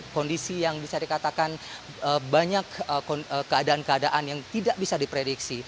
kondisi yang bisa dikatakan banyak keadaan keadaan yang tidak bisa diprediksi